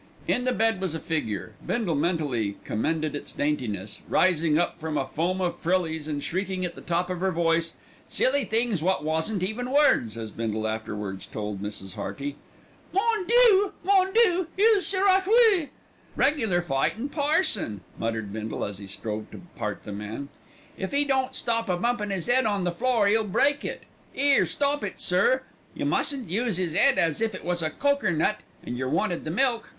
In the bed was a figure, Bindle mentally commended its daintiness, rising up from a foam of frillies and shrieking at the top of her voice "silly things wot wasn't even words," as Bindle afterwards told Mrs. Hearty. "Mon Dieu! Mon Dieu! Il sera tué!" "Regular fightin' parson," muttered Bindle, as he strove to part the men. "If 'e don't stop a bumpin' 'is 'ead on the floor 'e'll break it. 'Ere, stop it, sir. Yer mustn't use 'is 'ead as if it was a cokernut and yer wanted the milk.